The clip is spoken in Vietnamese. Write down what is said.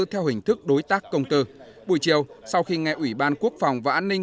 theo hình thức đối tác công tư buổi chiều sau khi nghe ủy ban quốc phòng và an ninh